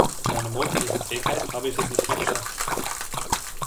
In meiner morgendlichen Trägheit habe ich es nicht mehr geschafft.